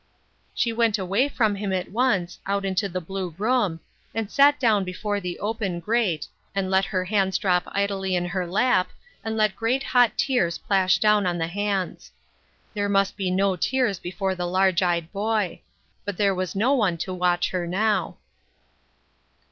She went away from him at once, out into the blue room, and sat down before the open grate, and let her hands drop idly in her lap, and let great hot tears plash down on the hands. There must be no tears before the large eyed boy. But there was no one to watch her now.